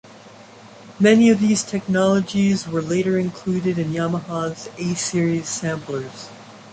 Many of these technologies were later included in Yamaha's A-series samplers.